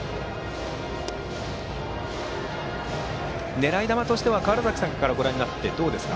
狙い球としては川原崎さんからご覧になっていかがですか？